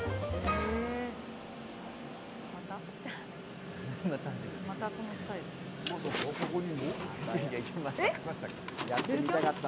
また来た。